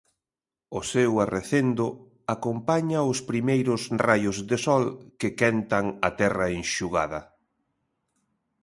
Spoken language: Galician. O seu arrecendo acompaña os primeiros raios de sol que quentan a terra enxugada.